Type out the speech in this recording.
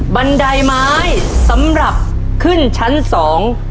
บันไดไม้สำหรับขึ้นชั้นสอง